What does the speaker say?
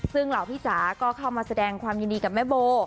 ซึ่งเหล่าพี่จ๋าก็เข้ามาแสดงความยินดีกับแม่โบ